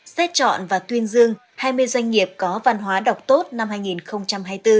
xét chọn và tuyên dương hai mươi doanh nghiệp có văn hóa đọc tốt năm hai nghìn hai mươi bốn